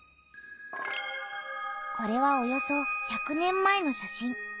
これはおよそ１００年前の写真。